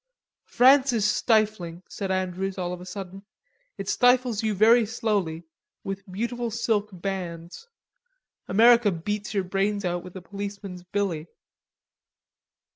"France is stifling," said Andrews, all of a sudden. "It stifles you very slowly, with beautiful silk bands.... America beats your brains out with a policeman's billy."